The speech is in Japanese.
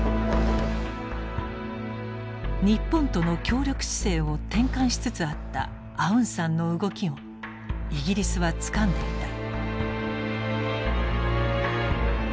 日本との協力姿勢を転換しつつあったアウンサンの動きをイギリスはつかんでいた。